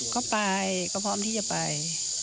ก็ไปก็พร้อมที่จะไป